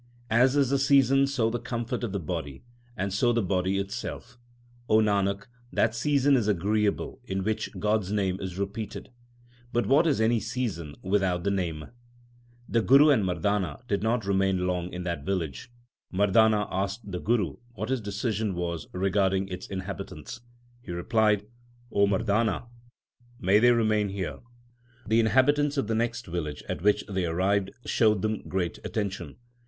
As is the season so the comfort of the body, and so the body itself. 1 Nanak, that season is agreeable in which God s name is repeated ; but what is any season without the Name ? The Guru and Mardana did not remain long in that village. Mardana asked the Guru what his decision was regarding its inhabitants. He replied, O Mardana, may they remain here ! The inhabitants of the next village at which they arrived showed them great attention.